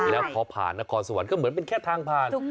แล้วพอผ่านนครสวรรค์ก็เหมือนเป็นแค่ทางผ่าน